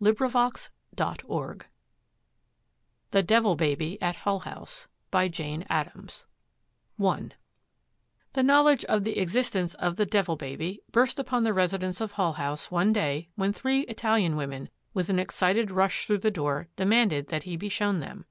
The Devil Baby at Hull House By Jane Addams I The knowledge of the existence of the Devil Baby burst upon the residents of Hull House one day when three Italian women, with an excited rush through the door, demanded that he be shown them.